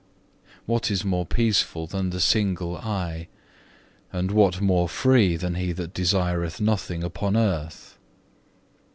What is more peaceful than the single eye? And what more free than he that desireth nothing upon earth?